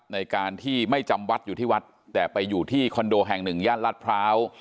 ในการที่ไม่จำวัดอยู่ที่วัดแต่ไปอยู่ที่คอนโดแห่งหนึ่งย่านรัฐพร้าว